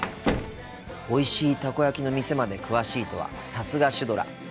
おいしいたこ焼きの店まで詳しいとはさすがシュドラ。